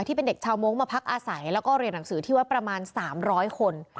ที่เป็นเด็กชาวมงค์มาพักอาศัยแล้วก็เรียนหนังสือที่วัดประมาณ๓๐๐คน